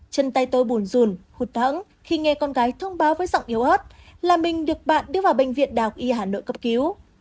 chân tay tôi bùn rùn hụt thoẫng khi nghe con gái thông báo với giọng yếu ớt là mình được bạn đưa vào bệnh viện đào y hà nội cấp cứu